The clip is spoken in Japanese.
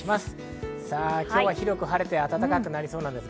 今日は広く晴れて暖かくなりそうです。